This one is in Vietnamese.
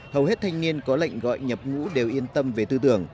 hầu hết thanh niên có lệnh gọi nhập ngũ đều yên tâm về tư tưởng